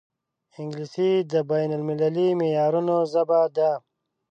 انګلیسي د بین المللي معیارونو ژبه ده